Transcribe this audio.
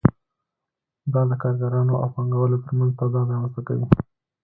دا د کارګرانو او پانګوالو ترمنځ تضاد رامنځته کوي